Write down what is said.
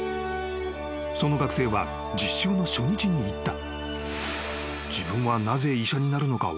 ［その学生は実習の初日に言った］